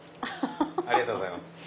ありがとうございます。